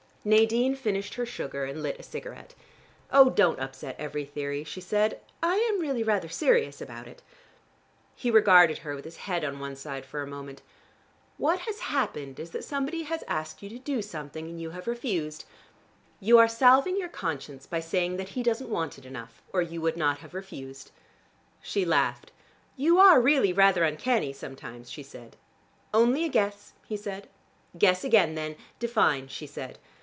Nadine finished her sugar and lit a cigarette. "Oh, don't upset every theory," she said. "I am really rather serious about it." He regarded her with his head on one side for a moment. "What has happened is that somebody has asked you to do something, and you have refused. You are salving your conscience by saying that he doesn't want it enough, or you would not have refused." She laughed. "You are really rather uncanny sometimes," she said. "Only a guess," he said. "Guess again then: define," she said.